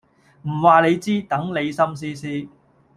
唔話你知，等你心思思